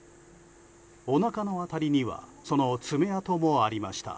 おなかの辺りにはその爪痕もありました。